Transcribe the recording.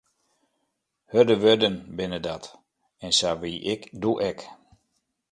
Hurde wurden binne dat, en sa wie ik doe ek.